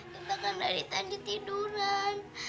kita kan dari tadi tiduran